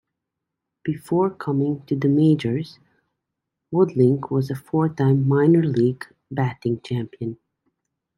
Before coming to the majors, Woodling was a four-time minor league batting champion.